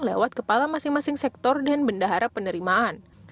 lewat kepala masing masing sektor dan bendahara penerimaan